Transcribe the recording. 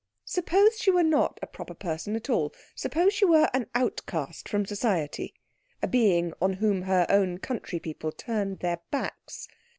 Suppose she were not a proper person at all, suppose she were an outcast from society, a being on whom her own countrypeople turned their backs?